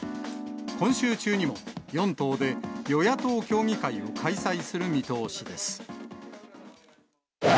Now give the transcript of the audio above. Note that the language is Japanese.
今週中にも４党で与野党協議会を開催する見通しです。